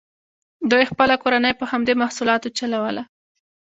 دوی خپله کورنۍ په همدې محصولاتو چلوله.